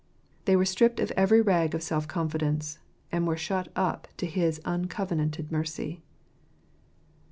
They were stripped of every rag of self confidence, and were shut up to his uncovenanted mercy.